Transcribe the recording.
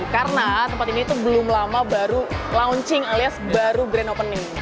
karena tempat ini itu belum lama baru launching alias baru grand opening